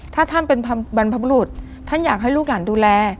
ถ้าท่านเป็นบรรพบุรุษท่านอยากให้ลูกหลานดูแล